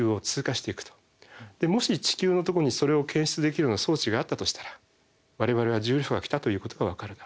もし地球のとこにそれを検出できるような装置があったとしたら我々は重力波が来たということがわかるだろう。